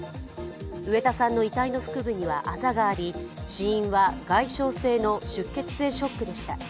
植田さんの遺体の腹部にはあざがあり、死因は外傷性の出血性ショックでした。